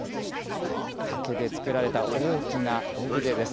竹で作られた大きなオブジェです。